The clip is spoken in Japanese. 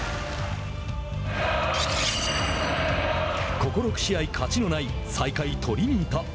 ここ６試合、勝ちのない最下位トリニータ。